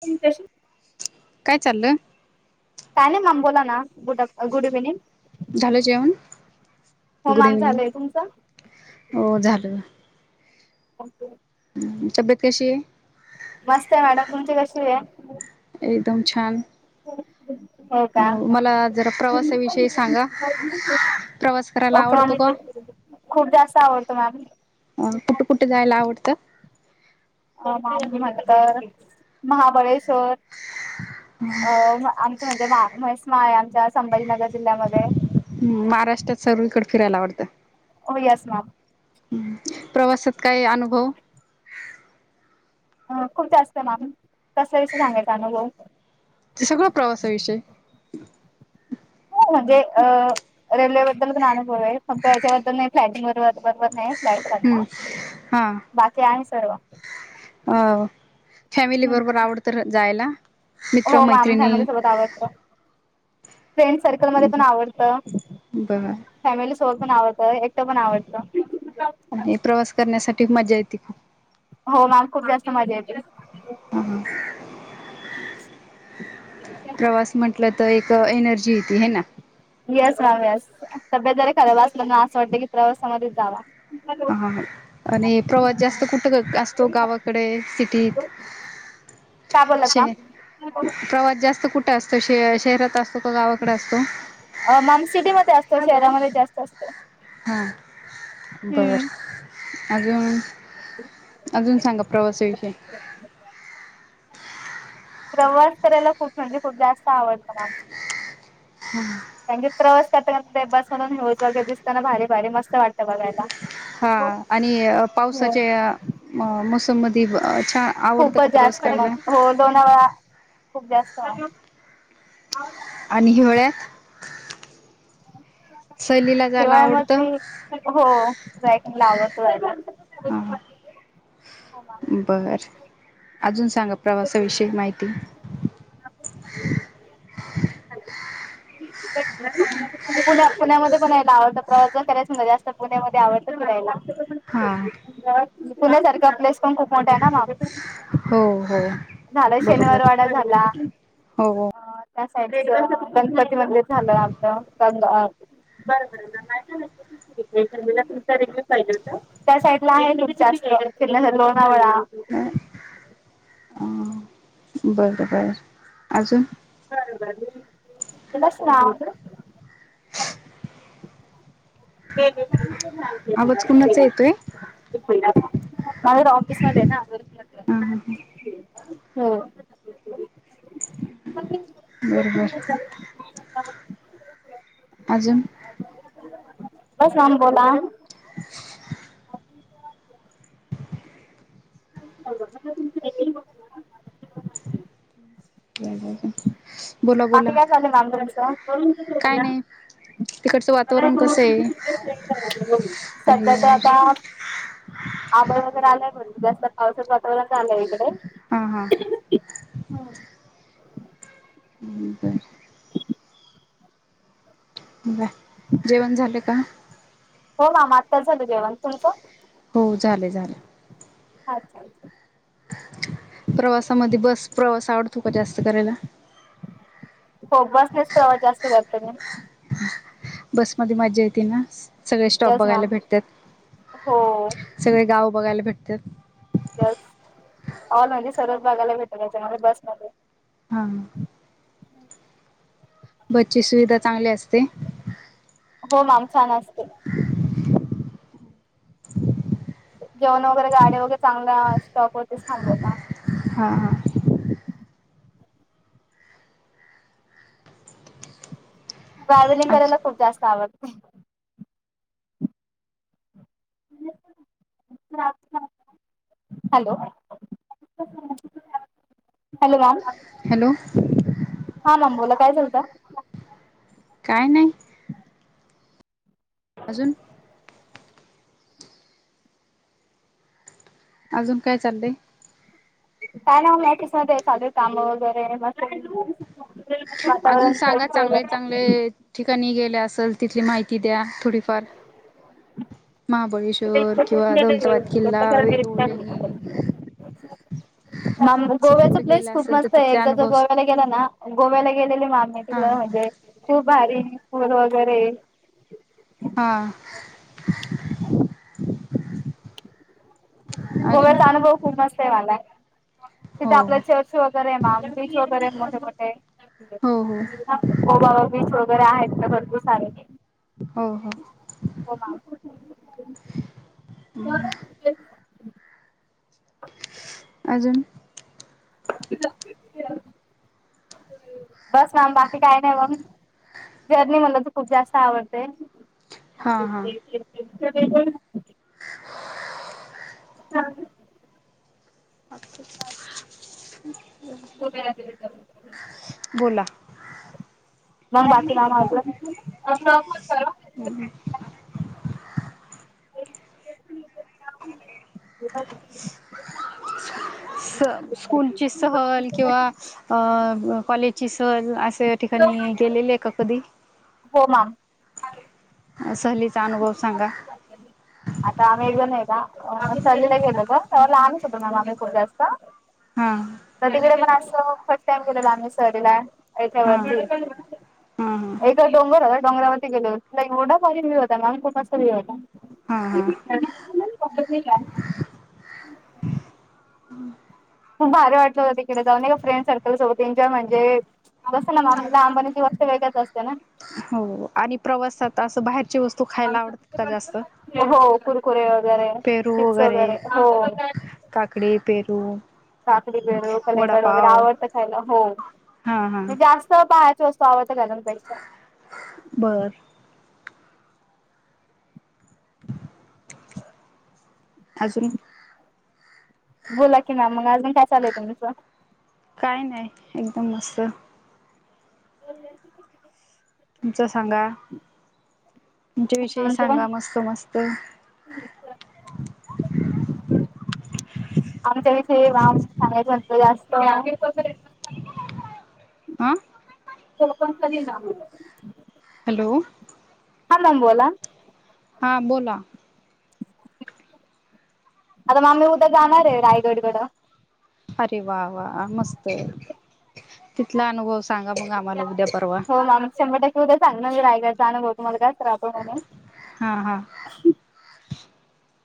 तुम कशी काय चाललं काय नाय मॅम बोला ना गुड अफ गुड ईव्हनिंग झालं जेवण. हो गुड मॅम ईव्हनिंग झालंय तुमचं हो झालं [inaudible] तब्येत कशीये? मस्तय मॅडम तुमची कशी ये? एकदम छान हो का अ मला जरा प्रवासाविषयी सांगा प्रवास करायला आवडतो का? ओके खूप जास्त आवडतो मॅम अ कुठं कुठं जायला आवडतं. अ माम म्हणतर महाबळेश्वर अ आमचे म्हणजे मा म्हहेश मा आहे आमच्या संभाजीनगर जिल्ह्यामध्ये हम्म महाराष्ट्रात सगळीकडं फिरायला आवडतं. हो यस मॅम हं प्रवासात काय अनुभव अ खूप जास्त मॅम कश्याविषयी सांगायचा अनुभव ते सगळं प्रवासाविषयी हो म्हणजे अ रेल्वेबद्दल पण अनुभव हाय फक्त याच्याबद्दल नाय प्लॅटिंग बरोबर बरोबर नाय. फ्लॅट हां [unintelligible] बाकी आहे सर्व अ.. फॅमिली बरोबर आवडतं र-जायला मित्र हो माम मैत्रिणी फॅमिली सोबत आवडतं फ्रेंड सर्कलमध्ये पण आवडतं बर फॅमिली च पण आवडतं. एकटं पण आवडतं. अणि प्रवास करण्यासाठी मज्जा येते खूप हो मॅम खूप जास्त मजा येते. हम्म प्रवास म्हंटलं त एक एनर्जी येती है ना? येस मॅम येस, तब्येत जरी खराब असली ना, असं वाटतं की प्रवासामध्येच जावा. आह ह आणि प्रवास जास्त कुठं क असतो गावाकडे, सिटीत? काय बोललात शहे प्रवास जास्त कुठे असतो? शेह शहरात असतो का गावाकडे असतो अ मम सिटी मध्ये असतो, शहरामध्ये जास्त अस हा हम्म बरं आजून अजून सांगा प्रवासाविषयी प्रवास करायला खूप म्हणजे खूप जास्त आवडतं मॅम कारण की प्रवास [unintelligible] बसूनच व्ह्यूज वगैर दिसताना भारी भारी मस्त वाटतं बघायला. हा आणि अ हो पावसाच्या म मोसममधि अ खूपच जास्त मग हो दोन वेळा खूप जास्त [unintelligible] आणि हिवाळ्यात [unintelligible] सहलीला जायला शिवाय मग आवडतं ते, हो जाय लावतो [unintelligible] ह बर, अजून सांगा प्रवासाविषयी माहिती [inaudible] [unintelligible] पुण्या पुण्यामध्ये पण यायला आवडतं, प्रवास जर करायच [unintelligible] जास्त पुण्यामध्ये आवडत फिरायला. हा. पुण्या सारखा प्लेस पण खूप मोठा आहे ना मा हो हो झाला शनिवार बरोबर वाडा झाला. हो हो त्या साइड [unintelligible] गणपती मंदिर झालं आता बर बरं जरा [unintelligible] [unintelligible] त्या साईड ला आहे ना जास्त लोणावळा आपण दोघीं हा बरं, बरं. काय म्हणाली? [unintelligible] बे आवाज बला कुणाचा येतोय हा [unintelligible] बाहेर ऑफिस मध्ये आहे ना हा हो. सगळीच जण बर बर. अजून [unintelligible] [unintelligible] बोला पात बोला या [unintelligible] [inaudible] काय नाही तिकडचं वातावरण कसं आहे अरे सध्या तर आता आभाळ वगैरे आलय भरून जास्त पावसात वातावरण झालंय इकड. हां, हां. हम्म. [inaudible] बरं ब जेवण झालं का? हो मामा आत्ता झालं जेवण. तुमचं? हो झालय झाल. अच्छा, अच्छा. प्रवासामध्ये बस प्रवास आवडतो का जास्त करायला? हो बसनेच तवा जास्त करते मी. बसमध्ये मज्जा येते ना असं. सगळे स्टॉप येस बघायला मॅम भेटत्यात हो [inaudible] सगळे गाव बघायला भेटत्यात. यस ऑल म्हणजे सरळ भागाला भेटलाच्यामध्ये म्हणजे बसमध्ये. हा, हा. हम्. बसची सुविधा चांगली असते. [inaudible] हो मॅम छान अस जेवण वगैरे गाडी वगैरे चांगला स्टॉक होते थांबवता. हा हा ट्रॅव्हलिंग करायला खूप जास्त आवडते. हॅलो हॅलो मॅम हॅलो हा मॅम बोला काय झालत? काय नाही अजून अजून काय चालय? काय ना म मॅटिकस मध्ये चालू काम वगैरे म अजून सांगा चांगले चांगले ठीक कनी गेल्या असल तिथली माहिती द्या थोडीफार म [unintelligible] [unintelligible] वेरूळ लेणी असं गोव्याचा कुठे प्लेस गेलं खूप असेल तर मस्त आहे तिथले एकदा जर अनुभव गोव्याला गेला ना गोव्याला गेलेले आम्ही हा तिला म्हणजे खूप भारी पुल वगैरे हा अजून गोव्याचा अनुभव खूप मस्त आहे मला. तिथे हो आपलं चर्च वगैरे, मॅम. बीच वगैरेत मोठे-मोठे. हो हो ओ बाबा, बीच वगैरे आहेत ना? भरपूर. चालेल, हो हो हो मॅम. झालं, यायचं? [inaudible] अजून? बस मॅम, बाकी काय नाही मग. जर्नी, मला तर - खूप जास्त आवडते. हां हां त [unintelligible] चालतंय मग [unintelligible] हो, त्याला दिलेत करून. बोला मग, बाकी काम आवरल का? हम् स [unintelligible] स्कूलची सहल, किंवा अं कॉलेजची सहल, असं त्या ठिकाणी, गेलेले आहे का कधी? हो, मॅम. सहलीचा अनुभव सांगा. आता आम्ही एकदा नाही सहलीला गेलेलो. तेव्हा लहानच होतो मॅम, आम्ही खूप जास्त. हां सगळीकडे पण असते फर्स्ट टाइम केलेला, आम्ही सहलीला हां याच्यावरती. हा हा एक डोंगर होता. डोंगरावरती गेलेलो, तिकडे एव्हढा भारी व्ह्यूव होता. तमाम खूप असा व्ह्यूव होता. हा हा कितने का है? [unintelligible] [inaudible] खूप भारी वाटलं होतं, तिकडे जाऊन एका फ्रेंडसर्कल सोबत एन्जॉय म्हणजे, कसं ना? मॅम लहानपणीची सगळं कसं असते ना? आणि, प्रवासात असं बाहेर ती वस्तू खायला आवडतेत का जास्त? हो कुरकुरे वगैरे पेरू चिप्स वगैरे, हो. चिक्कू काकडी, पेरू? काकडी, पेरू, कलींगड वगैरे वडापाव आवडतं खायला? हो. हा हा मी जास्त बाहेर तोच तो, पावाचा गरम पैसा. [unintelligible] बर. [inaudible] अजून? [inaudible] बोला की ना, मग अजून काय चाललयं तुमचं? काय नाही. एकदम मस्त. [inaudible] [unintelligible] तुमच, सांगा? [inaudible] तुमच्या विषयी आमचं सांगा, पण मस्त-मस्त. [inaudible] [inaudible] आमच्या विषयी वाम. -चांगल्या- [unintelligible] हा तो -पण, - कधी -जा -म्हणत नाही. [unintelligible] [inaudible] हॅलो.. हा मॅम, बोला. हा, बोला. [unintelligible] आता मॅम, मी उद्या जाणार आहे, रायगड कडं. अरे वा! वा! मस्त आहे. [inaudible] तिथला अनुभव सांगा मग [inaudible] आम्हाला उद्या परवा हो मॅम, शंभर टक्के उद्या सांगणार, मी रायगड चा अनुभव तुम्हाला, कारण खराब आहे, म्हणून. हा हा [inaudible]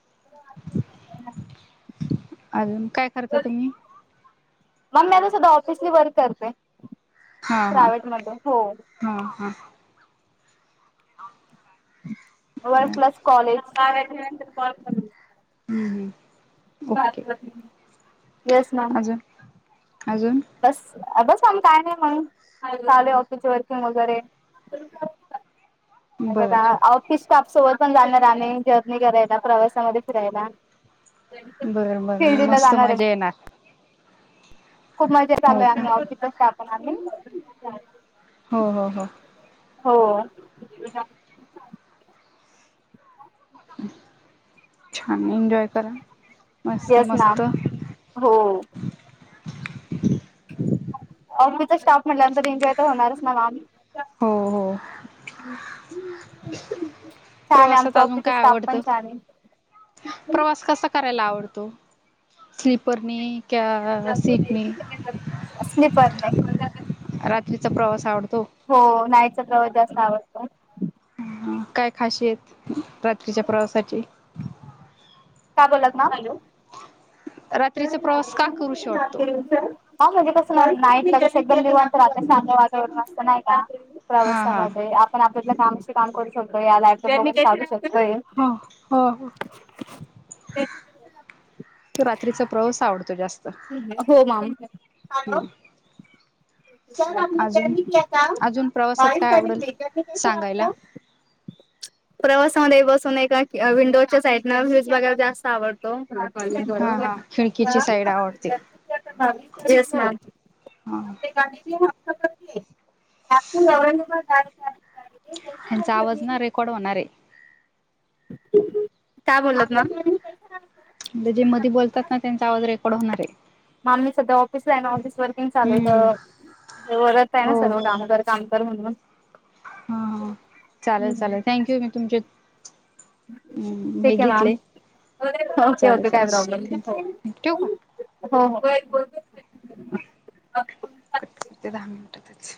[unintelligible] अजून काय करता तुम्ही? [inaudible] मग मी आता सध्या -ऑफिसली वर्क करते हा हा प्रायव्हेटमध्ये हो. अं [unintelligible] वर प्लस कॉलेजचा [unintelligible] नंतर कॉल करू. हम्म [inaudible] ओके [unintelligible] येस मॅम. अजून अजून बस अग सांग काय नाही म्हणून [unintelligible] ऑफिस वर्किंग वगैरे. [unintelligible] अग बरं काय- आऊटपीस टाक सोबत पण जाणार आम्ही, जर्नी करायला, प्रवासामध्ये फिरायला. [inaudible] [inaudible] बरं बरं मग शिर्डीला मस्त जाणार मजा आहे. येणार खूप मजा हो चालू आहे, का आम्ही ऑफिसच स्टाफ आणि चल [inaudible] हो- हो- हो हो [unintelligible] [inaudible] छान एन्जॉय [inaudible] करा. मस्त येस मस्त मॅम [inaudible] हो ऑफिसचा स्टाफ म्हटल्यानंतर एन्जॉय तर होणारच ना मॅम. हो- हो [inaudible] प्रवासात आमचा अजून ऑफिसचा काय स्टाफ आवडतं? पण छान आहे [inaudible] प्रवास कसा करायला आवडतो? स्लीपरनी [inaudible] क्या सीटनी? स्लीपरने, रात्रीचा प्रवास आवडतो [inaudible] हो नाहीतर [unintelligible] जास्त आवडत. हं काय खाशीेयत रात्रीच्या प्रवासाची? [inaudible] काय बोललात [unintelligible] ना? हॅलो रात्रीचा प्रवास का करूशी वाटतो [unintelligible] हां म्हणजे बस नाही [inaudible] एकदम निवांत वाटत चांगलं वातावरण असतं नाही का हा हा प्रवासामध्ये? आपण आप [inaudible] म्हणलं काम से काम करू शकतो या [unintelligible] हो -हो [inaudible] तू रात्रीचा प्रवास आवड हो मॅम, [inaudible] हॅलो हम्म [unintelligible] अजून अजून प्रवासात काय आवडेल सांगायला प्रवासामध्ये बसून एका विंडोच्या साईडन व्ह्यूज बघायला जास्त आवड हा हा खिडकीची साईड आवडते [unintelligible] येस मॅम हा आपले गाडीतील [unintelligible] त्यांचा आवाज ना रेकॉर्ड होणार काय बोललात मॅम? आहे जे मधी बोलतात ना त्येंचा आवाज रेकॉर्ड होणार. आहे मामी सध्या ऑफिसला आहे ना, ऑफिस वर्किंग चालू हम्म आहेत ते वरच आहे ना हो सर्व कामगार कामगार म्हणून? हां चालेल चालेल थँक यू मी तुमचे हम्म म्या ठीक आहे मॅम घेतलंय. ओके ओके काय प्रॉब्लेम ठेवू का हो हो हो कट्ट करते दहा मिनिटातच.